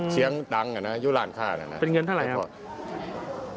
เสียงดังอยู่ร่านค่าเป็นเงินเท่าไหร่ครับ